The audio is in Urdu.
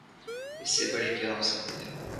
اس سے بڑی کیا ہو سکتی ہے؟